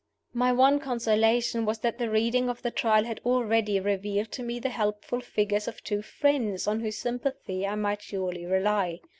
My one consolation was that the reading of the Trial had already revealed to me the helpful figures of two friends on whose sympathy I might surely rely.